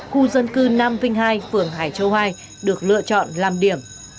khu dân cư nam vinh hai phường hải châu hai được lựa chọn làm điểm